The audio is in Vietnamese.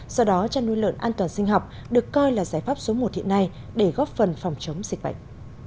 do đó chăn nuôi lợn an toàn sinh học được coi là giải pháp số một hiện nay để góp phần phòng chống dịch bệnh